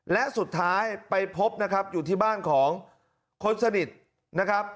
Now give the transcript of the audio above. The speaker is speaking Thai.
และสุดท้ายไปพบนะครับอยู่ที่บ้านของคนสนิทนะครับ